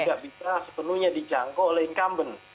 tidak bisa sepenuhnya dijangkau oleh incumbent